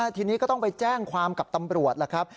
ทีนี้ก็ต้องไปแจ้งความกับตำรวจล่ะครับ